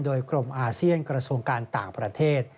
โดยกรมอาเซียนกระทรวงการต่างประเทศ